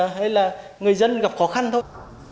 hay là người dân gặp khó khăn thôi